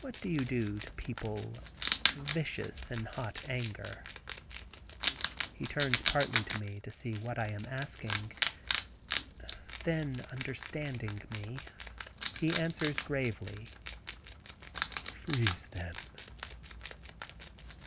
What do you do to people vicious in hot anger!" He turns partly to me to see what I am asking; then, understanding me, he answers gravely: "Freeze them."